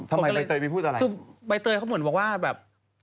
ก็เลยคือใบเตยเขาเหมือนบอกว่าแบบ